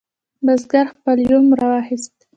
بزګر خپل یوم راواخست.